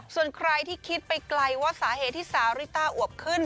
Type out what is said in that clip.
ส่วนใครที่คิดไปไกลว่าสาเหตุที่สาวริต้าอวบขึ้น